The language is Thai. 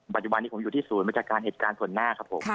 ปัจจุบันนี้ผมอยู่ที่ศูนย์บัญชาการเหตุการณ์ส่วนหน้าครับผม